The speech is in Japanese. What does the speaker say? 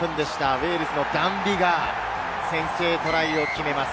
ウェールズのダン・ビガー、先制トライを決めます。